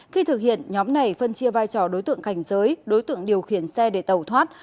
khi thực hiện nhóm này phân chia vai trò đối tượng cảnh giới đối tượng điều khiển xe để tàu thoát